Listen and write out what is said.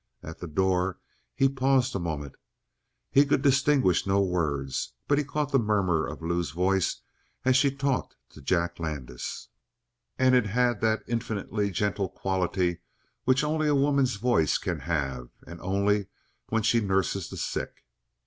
At the door he paused a moment. He could distinguish no words, but he caught the murmur of Lou's voice as she talked to Jack Landis, and it had that infinitely gentle quality which only a woman's voice can have, and only when she nurses the sick.